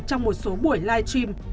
trong một số buổi live stream